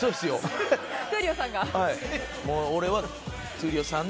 闘莉王さん？